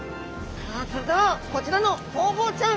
さあそれではこちらのホウボウちゃん！